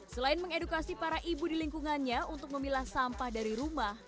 selain mengedukasi para ibu di lingkungannya untuk memilah sampah dari rumah